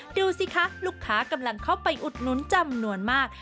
ดูสิคะลูกค้ากำลังเข้าไปอุดหนุนจำนวนมาก